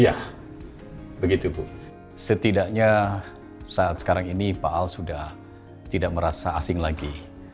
ya begitu bu setidaknya saat sekarang ini pak al sudah tidak merasa asing lagi